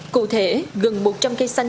cụ thể gần một trăm linh cây xanh